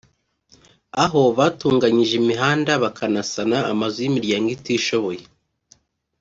aho batunganyije imihanda bakanasana amazu y’imiryango itishoboye